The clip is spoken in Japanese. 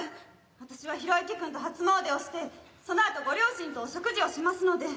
私は啓之君と初詣をしてそのあとご両親とお食事をしますので。